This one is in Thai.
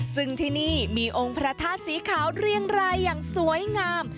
ซึ่งที่นี่มีองค์พระธาตุสีขาวเรียงรายอย่างสวยงาม